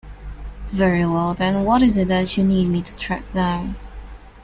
Very well then, what is it that you need me to track down?